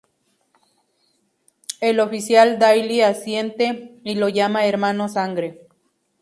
El oficial Daily asiente y lo llama "Hermano Sangre".